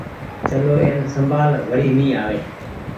چلو اين سمڀآل وڙي ني آوي۔